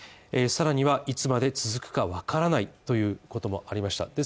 さらにはいつまで続くかわからないということもありました。